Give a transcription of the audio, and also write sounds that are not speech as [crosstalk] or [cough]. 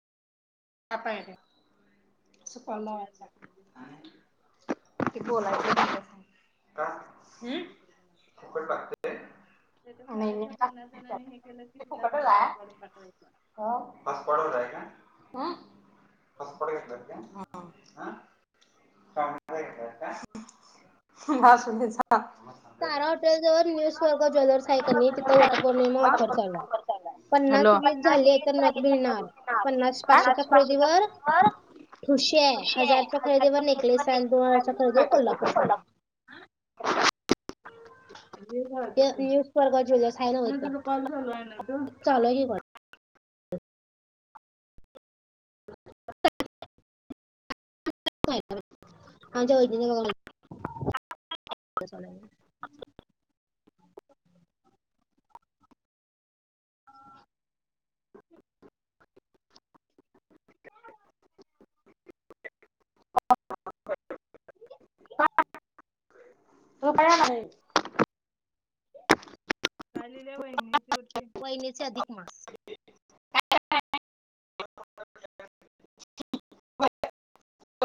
अपा नुसता कॉल लावायचा की बोलायचं तिच्या संग. का? हम्म फुकट लागतंय नही नही, ते फुकट च हाय. हॉटस्पॉट वर हाय काय? हॉटस्पॉट घेतल्यात काय? हा. आ. कामाला गेल्यात काय? असूदे जा. तारा हॉटेल जवळ न्यू स्वर्ग ज्वेलर्स आहे कणी तिथ वट पौर्णिमा ऑफर चालू हाय. पन्नास, वीस झाली तर नथ मिळणार. पन्नास पाचशेच्या खरेदीवर ठुशी हाय, खुशी आहे हजारच्या खरेदीवर नेकलेस हाय आणि दोन हजारच्या खरेदीवर खरेदीवर कोल्हापूर नेक्स्ट साज. [inaudible] पियू सारखा ज्वेलर्स हाय नवं तिथं. तुझा कॉल चालू आहे ना ग. चालू आहे की कॉल. [unintelligible] झोपा या लागली. काय लिहिल्या वहिनीची वटी, वहिनीचे अधिक मास. काय [unintelligible]